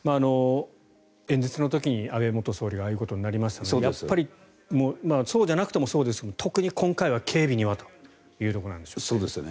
演説の時に安倍元総理がああいうことになりましたのでやっぱりそうじゃなくともそうですが特に今回は警備にはというところなんでしょうね。